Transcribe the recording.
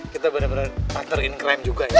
kita bener bener hunter in crime juga ya